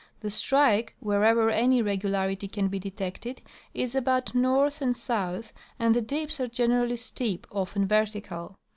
The strike, wherever any regularity can be detected, is about north and south, and the dips are generally steep, often vertical.